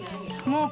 もう。